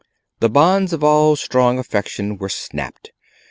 The bonds of all strong affection were snapped.